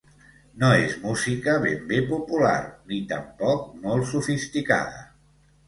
No és música ben bé popular, ni tampoc molt sofisticada.